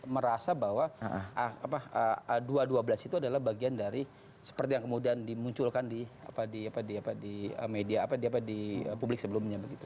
merasa bahwa apa a dua a dua belas itu adalah bagian dari seperti yang kemudian dimunculkan di apa di apa di apa di media apa di apa di publik sebelumnya begitu